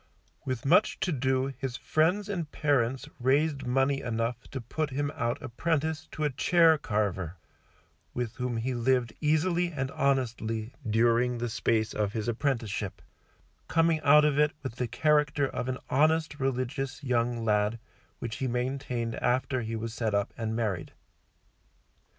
With much to do his friends and parents raised money enough to put him out apprentice to a chair carver, with whom he lived easily and honestly during the space of his apprenticeship, coming out of it with the character of an honest religious young lad, which he maintained after he was set up and married.